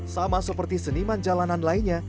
sama seperti seniman jalanan lainnya